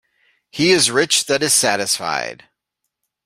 He is rich that is satisfied.